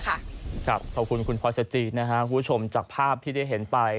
ขอบคุณคุณพลอยสจีนะครับคุณผู้ชมจากภาพที่ได้เห็นไป